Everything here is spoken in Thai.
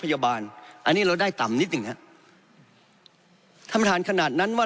พยาบาลอันนี้เราได้ต่ำนิดหนึ่งฮะทำทานขนาดนั้นว่า